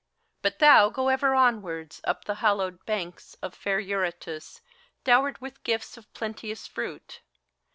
But thou go ever onwards, up the hallowed banks Of fair Eurotas, dowered with gifts of plenteous fruit.